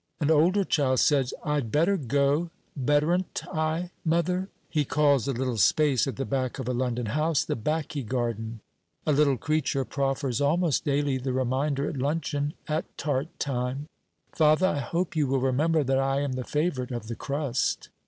An older child says, "I'd better go, bettern't I, mother?" He calls a little space at the back of a London house, "the backy garden." A little creature proffers almost daily the reminder at luncheon at tart time: "Father, I hope you will remember that I am the favourite of the crust."